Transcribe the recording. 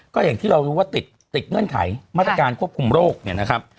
ก็อย่างที่เรารู้ว่าติดเงื่อนไขมาตรการควบคุมโรคเนี่ยนะครับ